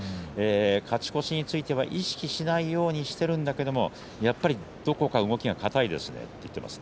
勝ち越しについては意識しないようにしているんだけれどもやっぱりどこか動きが硬いですね